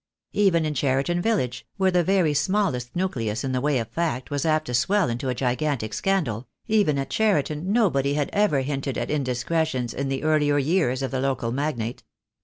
Even in Cheriton village, where the very smallest nucleus in the way of fact was apt to swell into a gigantic scandal, even at Cheriton nobody had ever hinted at indiscretions in the earlier years of the local magnate.